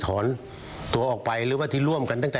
ขอเตือนไว้นะจะค้าหรือจะสมาคมกับคนพวกนี้ขอให้คิดให้ดี